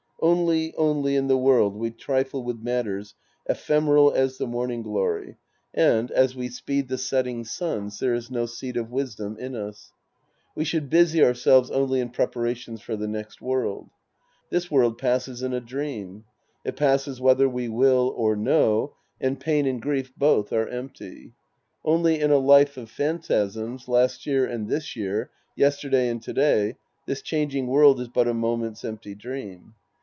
Only, only, in the world we trifle with matters ephemeral as the morning glory and, as we 222 The Priest and His Disciples Act VI speed the setting suns, there is no seed of wisdom in us. We should busy ourselves only in preparations for the next world. This world passes in a dream It passes whether we will or no, and pain and grief both are empty. Only, in a life of phantasms, last year and this year, yesterday and to day, this chang ing world is but a moment's empty dream.